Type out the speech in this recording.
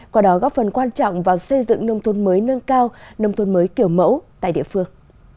qua đó góp phần quan trọng vào xây dựng nông thôn mới nâng cao nông thôn mới kiểu mẫu tại địa phương